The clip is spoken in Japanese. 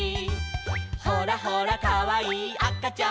「ほらほらかわいいあかちゃんも」